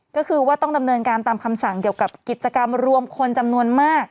ก็คือว่าต้องดำเนินการตามคำสั่งเกี่ยวกับกิจกรรมรวมคนจำนวนมาก